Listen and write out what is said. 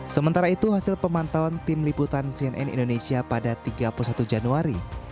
sementara itu hasil pemantauan tim liputan cnn indonesia pada tiga puluh satu januari